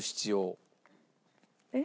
えっ？